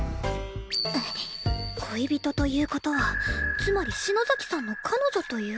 恋人という事はつまり篠崎さんの彼女という事